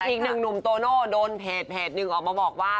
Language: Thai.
อีกหนึ่งหนุ่มโตโน่โดนเพจหนึ่งออกมาบอกว่า